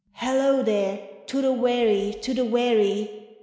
" Hallo there ! To the wherry, to the wherry